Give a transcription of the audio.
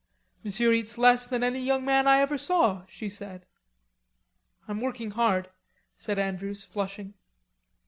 "Monsieur eats less than any young man I ever saw," she said. "I'm working hard," said Andrews, flushing.